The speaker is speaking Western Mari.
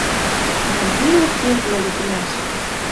Дӓ мыренӹт кеквлӓ литӹмӓш.